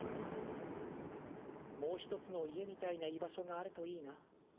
もう一つの家みたいな居場所があるといいな。